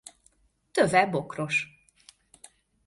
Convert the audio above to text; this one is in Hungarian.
Töve bokros.